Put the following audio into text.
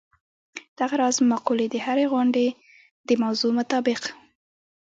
دغه راز مقولې د هرې غونډې د موضوع مطابق.